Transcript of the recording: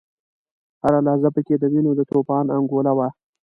هره لحظه په کې د وینو د توپان انګولا وه.